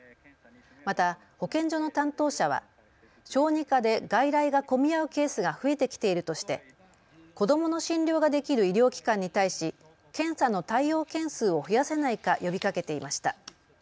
また保健所の担当者は小児科で外来が混み合うケースが増えてきているとして子どもの診療ができる医療機関に対し検査の対応件数を増やせないか呼びかけていました。